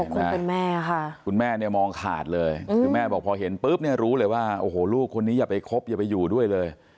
คุณแม่ค่ะคุณแม่เนี่ยมองขาดเลยคือแม่บอกพอเห็นปุ๊บเนี่ยรู้เลยว่าโอ้โหลูกคนนี้อย่าไปคบอย่าไปอยู่ด้วยเลย